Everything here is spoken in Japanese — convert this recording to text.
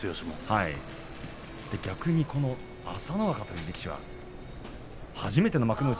逆に朝乃若という力士は初めての幕内